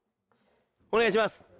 お願いします。